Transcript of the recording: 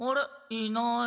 いない。